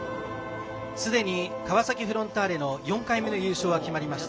すでに川崎フロンターレの４回目の優勝が決まりました。